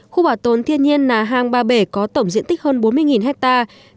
khu bảo tồn thiên nhiên nà hang ba bể có tổng diện tích hơn bốn mươi hectare